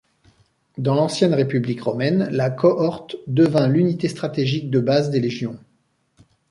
Dans l'ancienne République romaine, la cohorte devint l'unité stratégique de base des légions.